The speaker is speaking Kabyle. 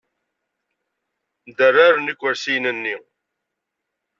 Derreren ikersiyen-nni.